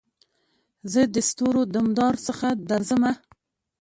زه دستورو دمدار څخه درځمه